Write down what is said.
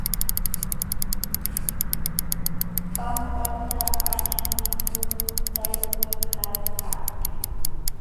Pampata aćhmiykulmi talpuykalkaa.